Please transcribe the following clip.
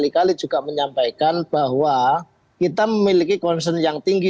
kali juga menyampaikan bahwa kita memiliki concern yang tinggi